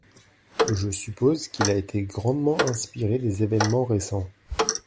Je suppose qu’il a été grandement inspiré des événements récents.